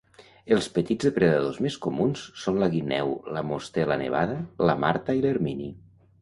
Els petits depredadors més comuns són la guineu, la mostela nevada, la marta i l'ermini.